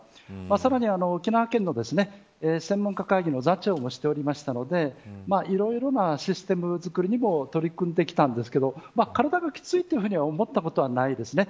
さらに、沖縄県の専門家会議の座長もしておりましたのでいろいろなシステムづくりにも取り組んできたんですけど体がきついというふうには思ったことはないですね。